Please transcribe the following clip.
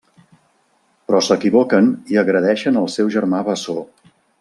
Però s'equivoquen i agredeixen el seu germà bessó.